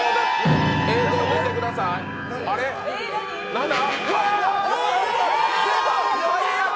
何だ！？